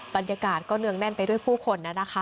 บรรยากาศก็เนืองแน่นไปด้วยผู้คนนะคะ